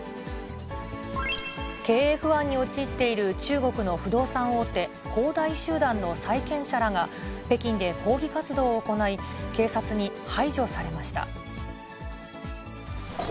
経営不安に陥っている中国の不動産大手、恒大集団の債権者らが北京で抗議活動を行い、警察に排除されまし恒